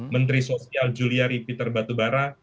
menteri sosial juliari peter batubara